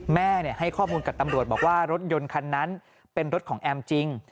ให้ข้อมูลกับตำรวจบอกว่ารถยนต์คันนั้นเป็นรถของแอมจริง